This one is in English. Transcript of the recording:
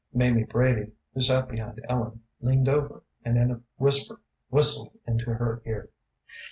Mamie Brady, who sat behind Ellen, leaned over, and in a whisper whistled into her ear.